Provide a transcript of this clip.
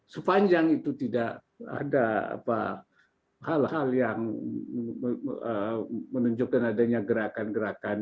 sepanjang itu tidak ada hal hal yang menunjukkan adanya gerakan gerakan